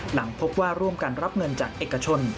หลังพบว่าร่วมกันรับเงินจากเอกชน